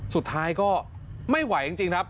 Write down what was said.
สุดท้ายก็ไม่ไหวจริงครับ